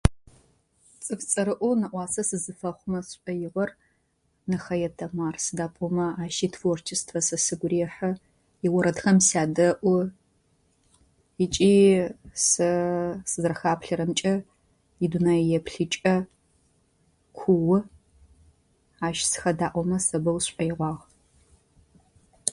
Цӏыф цӏэрыӏоу нэӏуасэ сызыфэхъумэ сшӏоигъор Нэхэе Тамар сыда пӏомэ ащ итворчествэ сэ сыгу рехьы, иорэдхэм сядэӏу ыкӏи сэ сызэрэхаплъэрэмкӏэ и Дунае еплъыкӏэ куу. Ащ сыхэдаӏомэ сэ бэу сшӏоигъуагъ.